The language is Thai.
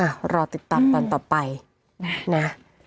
อ้าวรอติดตามตอนต่อไปนะ